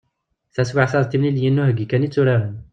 Taswiɛt-a, d timliliyin n uheggi kan i tturaren.